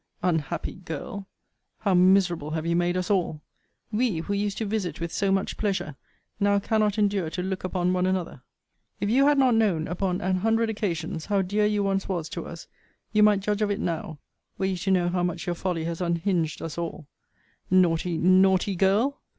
Unhappy girl! how miserable have you made us all! We, who used to visit with so much pleasure, now cannot endure to look upon one another. If you had not know, upon an hundred occasions, how dear you once was to us, you might judge of it now, were you to know how much your folly has unhinged us all. Naughty, naughty girl!